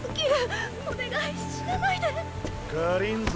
借りんぞ。